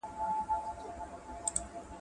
د غمونو ورا یې راغله د ښادیو جنازې دي `